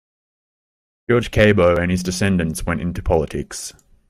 George Cabot and his descendants went into politics.